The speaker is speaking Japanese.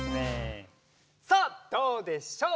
さあどうでしょう？